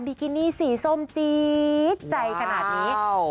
บิกินี่สีส้มจีนกี่ใจขนาดนี้